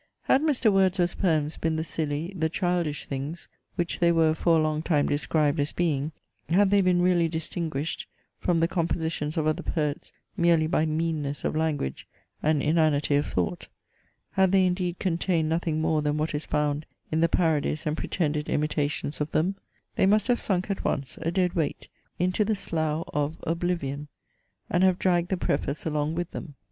Had Mr. Wordsworth's poems been the silly, the childish things, which they were for a long time described as being had they been really distinguished from the compositions of other poets merely by meanness of language and inanity of thought; had they indeed contained nothing more than what is found in the parodies and pretended imitations of them; they must have sunk at once, a dead weight, into the slough of oblivion, and have dragged the preface along with them.